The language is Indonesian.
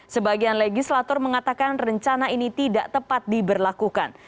sebagian legislator mengatakan rencana ini tidak tepat diberlakukan